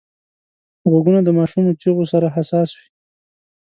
غوږونه د ماشومو چیغو سره حساس وي